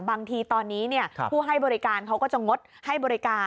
บางทีตอนนี้ผู้ให้บริการเขาก็จะงดให้บริการ